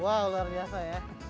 wow luar biasa ya